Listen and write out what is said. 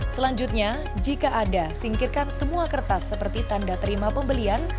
selanjutnya jika ada singkirkan semua kertas seperti tanda terima pembelian